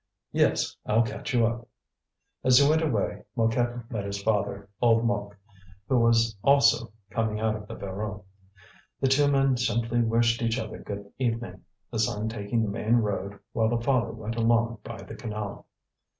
"Yes, I'll catch you up." As he went away, Mouquet met his father, old Mouque, who was also coming out of the Voreux. The two men simply wished each other good evening, the son taking the main road while the father went along by the canal.